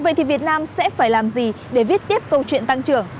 vậy thì việt nam sẽ phải làm gì để viết tiếp câu chuyện tăng trưởng